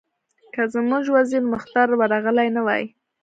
که زموږ وزیر مختار ورغلی نه وای.